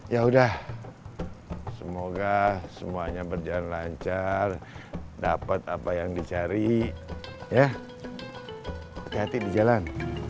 ya udah semoga semuanya berjalan lancar dapat apa yang dicari ya hati hati di jalan